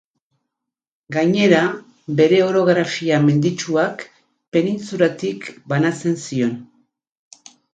Gainera, bere orografia menditsuak penintsulatik banatzen zion.